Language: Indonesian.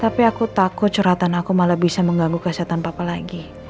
tapi aku takut curhatan aku malah bisa mengganggu kesehatan papa lagi